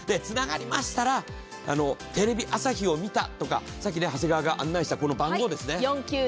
繋がりましたら「テレビ朝日を見た」とかさっきね長谷川が案内したこの番号ですね。